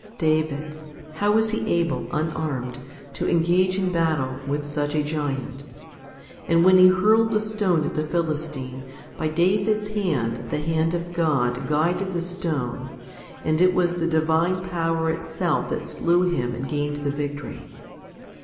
2. David, how was he able, unarmed, to engage in battle with such a giant ? And when he hurled the stone at the Philistine, by David's hand the hand of God guided the stone, and it was the divine power itself that slew him and gained the victory.